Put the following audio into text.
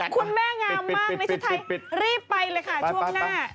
คุณแม่งามมากเลยใช่ไหมรีบไปเลยคะช่วงหน้า